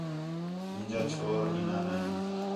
مینجا چھور اینا نے